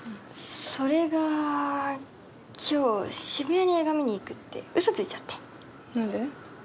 それが今日渋谷に映画見に行くって嘘ついちゃって何で？